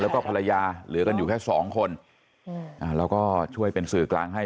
แล้วก็ภรรยาเหลือกันอยู่แค่สองคนเราก็ช่วยเป็นสื่อกลางให้